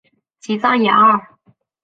吉藏雅尔。